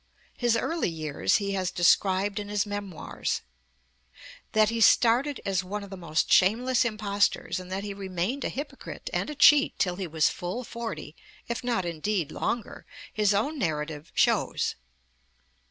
His early years he has described in his Memoirs. That he started as one of the most shameless impostors, and that he remained a hypocrite and a cheat till he was fully forty, if not indeed longer, his own narrative shows.